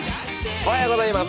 おはようございます。